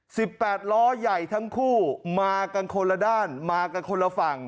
แปดล้อใหญ่ทั้งคู่มากันคนละด้านมากันคนละฝั่ง